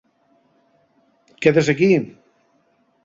¿Quedes equí?